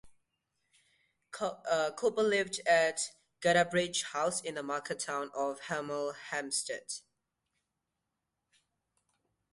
Cooper lived at Gadebridge House in the market town of Hemel Hempstead.